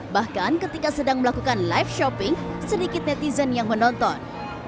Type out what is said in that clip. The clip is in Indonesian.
bahkan ketika sedang melakukan live shopping sedikit netizen yang menonton